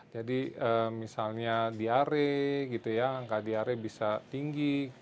jadi misalnya diare angka diare bisa tinggi